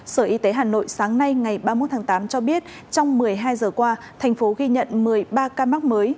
sở y tế hà nội sáng nay ngày ba mươi một tháng tám cho biết trong một mươi hai giờ qua thành phố ghi nhận một mươi ba ca mắc mới